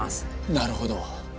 なるほど。